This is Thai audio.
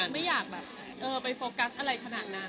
ไม่อยากแบบไปโฟกัสอะไรขนาดนั้น